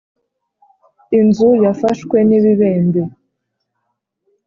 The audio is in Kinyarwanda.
Inzu yafashwe n ibibembe